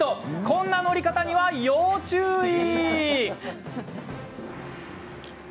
こんな乗り方には要注意！